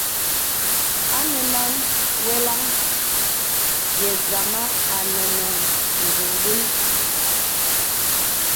Anɛnaŋ weləŋ yə̀ zàma à nə̀ nə̀ ngùngul.